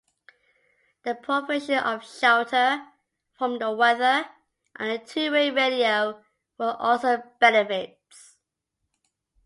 The provision of shelter from the weather and a two-way radio were also benefits.